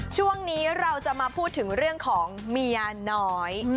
ช่วงนี้เราจะมาพูดถึงเรื่องของเมียน้อย